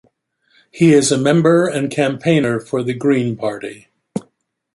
He is a member and campaigner for The Green Party.